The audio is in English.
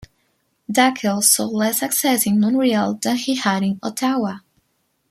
Dackell saw less success in Montreal than he had in Ottawa.